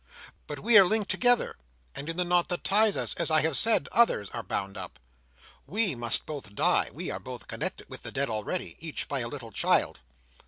But we are linked together; and in the knot that ties us, as I have said, others are bound up. We must both die; we are both connected with the dead already, each by a little child.